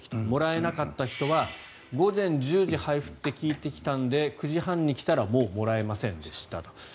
もらえなかった人は午前１０時配布って聞いてきたんで９時半に来たらもうもらえませんでしたと。